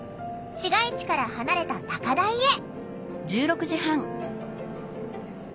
市街地から離れた高台へ。